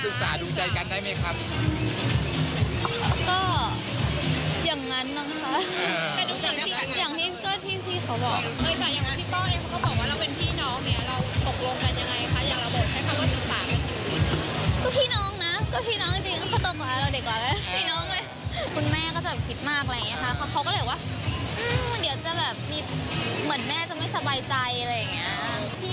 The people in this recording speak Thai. คุณแม่ก็คิดมากเท่าไหร่ค่ะเขาก็หลอกว่าจะแบบเหมือนแม่ไม่สบายใจ